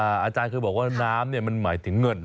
อาจารย์เคยบอกว่าน้ำมันหมายถึงเงิน